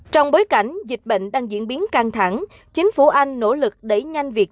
trong bối cảnh dịch bệnh đang diễn biến căng thẳng chính phủ anh nỗ lực đẩy nhanh việc